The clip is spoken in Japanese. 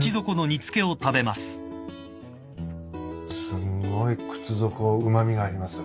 すんごいクチゾコうま味があります。